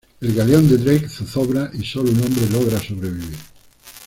El galeón de Drake zozobra y solo un hombre logra sobrevivir.